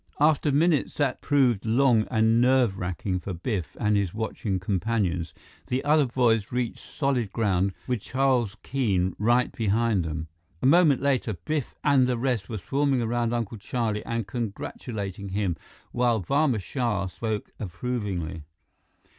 After minutes that proved long and nerve racking for Biff and his watching companions, the other boys reached solid ground with Charles Keene right behind them. A moment later, Biff and the rest were swarming around Uncle Charlie and congratulating him, while Barma Shah spoke approvingly.